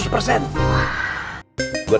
jadi itu yang kita buat